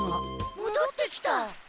もどってきた。